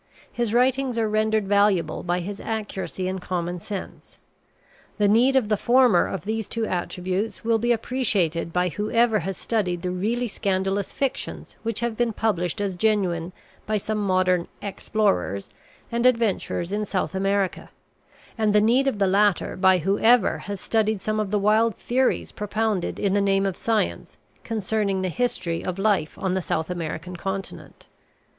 His writings are rendered valuable by his accuracy and common sense. The need of the former of these two attributes will be appreciated by whoever has studied the really scandalous fictions which have been published as genuine by some modern "explorers" and adventurers in South America; and the need of the latter by whoever has studied some of the wild theories propounded in the name of science concerning the history of life on the South American continent.